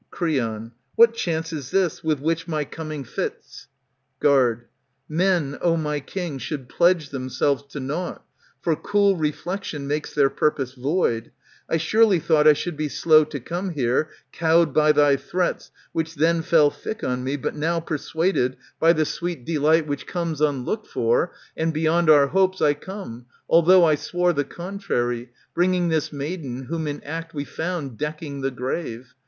Creon. What chance is this, with which my coming fits ? Guard. Men, O my king, should pledge themselves to nought ; For cool reflection makes their purpose void. 1 surely thought I should be slow to come here, ^^ Cowed by thy threats, which then fell thick on me ; But now persuaded by the sweet delight 154 ANTIGONE Which comes unlocked for, and beyond our hopes, I come, although I swore the contrary, Bringing this maiden, whom in act we found Decking the grave.